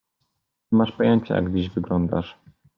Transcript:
Nie masz pojęcia, jak dziś wyglądasz.